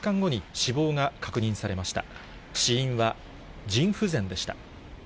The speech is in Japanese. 死因は腎不全でした。